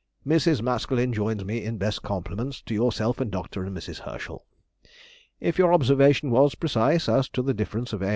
Mrs. Maskelyne joins me in best compliments to yourself and Dr. and Mrs. Herschel. If your observation was precise as to the difference of A.